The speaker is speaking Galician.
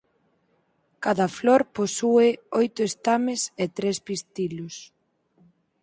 Cada flor posúe oito estames e tres pistilos.